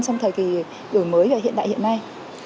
trong thời kỳ đổi mới và hiện đại hiện nay